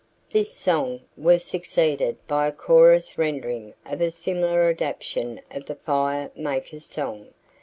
This song was succeeded by a chorus rendering of a similar adaptation of the Fire Maker's Song.